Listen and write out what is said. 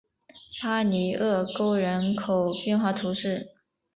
巴尼厄沟人口变化图示